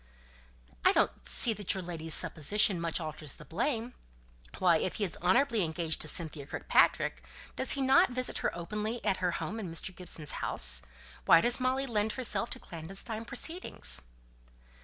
"I don't see that your ladyship's supposition much alters the blame. Why, if he is honourably engaged to Cynthia Kirkpatrick, does he not visit her openly at her home in Mr. Gibson's house? Why does Molly lend herself to clandestine proceedings?"